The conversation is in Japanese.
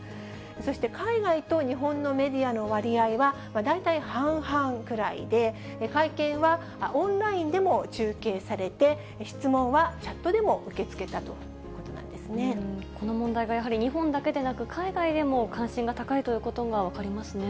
そして、海外と日本のメディアの割合は、大体半々くらいで、会見はオンラインでも中継されて、質問はチャットでも受け付けたとこの問題がやはり日本だけでなく、海外でも、関心が高いということが分かりますね。